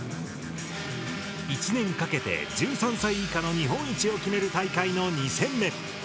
一年かけて１３歳以下の日本一を決める大会の２戦目。